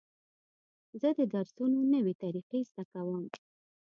زه د درسونو نوې طریقې زده کوم.